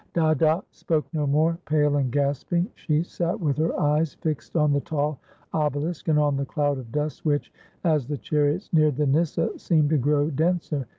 Dada spoke no more; pale and gasping, she sat with her eyes jQxed on the tall obelisk and on the cloud of dust which, as the chariots neared the nyssa, seemed to grow denser.